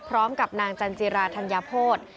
พร้อมกับนางจันทริยฤษญธัญพน์